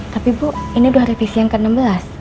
tapi bu ini sudah revisi yang ke enam belas